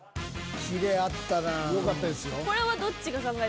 キレあったなぁ。よかったですよ。